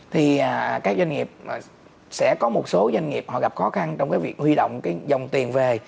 thì các doanh nghiệp sẽ có một số doanh nghiệp họ gặp khó khăn trong cái việc huy động cái dòng tiền về